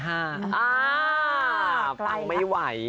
อ่าปังไม่ไหว